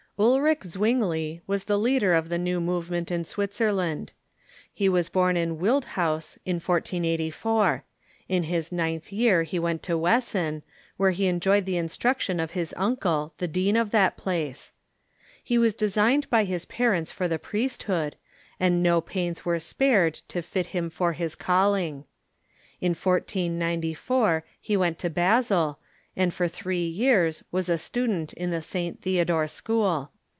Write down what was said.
Uh'ic Zwingli was the leader of the new movement in Switz erland, lie was born in Wildhaus, in 1484. In his ninth year he went to Wesen, where he enjoyed the instruction of his uncle, the dean of that place. He was desisrued bv his Zwingli j ,• .1 i i • i parents lor the priesthood, and no pams were spared to fit him for his calling. In 1494 he went to Basel, and for three years was a student in the St. Theodore School.